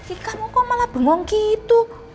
sih kamu kok malah bengong gitu